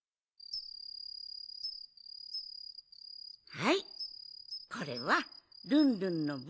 はいこれはルンルンのぶん。